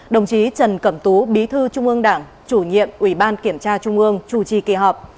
đồng chí trần cẩm tú bí thư trung ương đảng chủ nhiệm ủy ban kiểm tra trung ương chủ trì kỳ họp